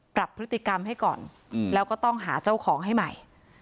ปรับพฤติกรรมให้ก่อนแล้วก็ต้องหาเจ้าของให้ใหม่